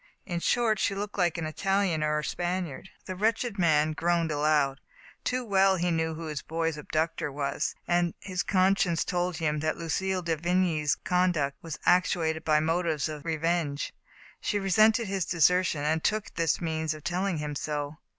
In short, she looked like an Italian or Spaniard.*' The wretched man groaned aloud. Too well he knew who his boy*s abductor was, and his con science told him that Lucille de Vigny's conduct was actuated by motives of revenge. She re sented his desertion, and took this means of tell ing him so.